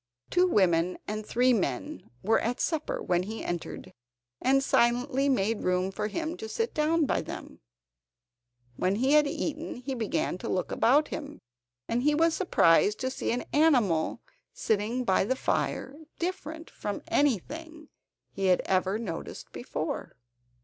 Two women and three men were at supper when he entered, and silently made room for him to sit down by them. When he had eaten he began to look about him, and was surprised to see an animal sitting by the fire different from anything he had ever noticed before.